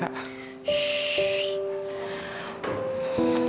aku udah bisa hidup